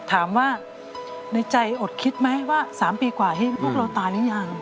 ถามว่าในใจอดคิดไหมว่า๓ปีกว่าพวกเราตายหรือยัง